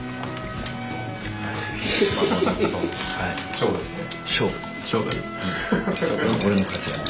勝負ですね。